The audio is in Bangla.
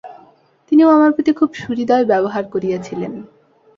তিনিও আমার প্রতি খুব সহৃদয় ব্যবহার করিয়াছিলেন।